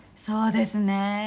そうですね